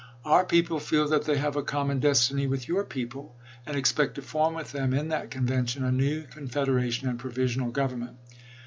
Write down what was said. Our people feel that they have a common destiny with your people, and expect to form with them, in that convention, a new confederation and provisional government.